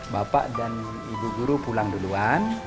bapak dan ibu guru pulang duluan